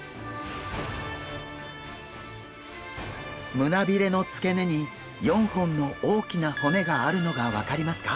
胸びれの付け根に４本の大きな骨があるのが分かりますか？